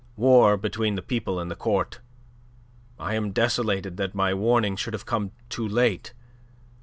"War between the people and the Court. I am desolated that my warning should have come too late.